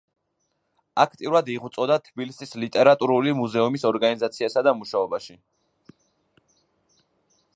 აქტიურად იღვწოდა თბილისის ლიტერატურული მუზეუმის ორგანიზაციასა და მუშაობაში.